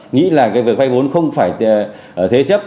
nghĩ là việc vay vốn không phải thế chấp